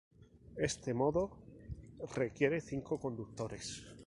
Este modo requiere cinco conductores.